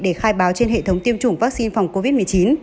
để khai báo trên hệ thống tiêm chủng vaccine phòng covid một mươi chín